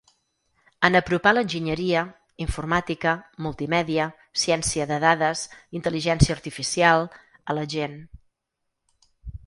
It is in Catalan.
En apropar l’enginyeria —informàtica, multimèdia, ciència de dades, intel·ligència artificial…— a la gent.